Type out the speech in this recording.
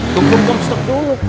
kum kum kum setengah dulu kum